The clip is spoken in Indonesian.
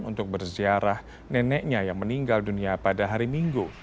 untuk berziarah neneknya yang meninggal dunia pada hari minggu